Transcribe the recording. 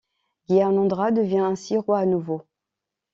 Gyanendra devient ainsi roi à nouveau.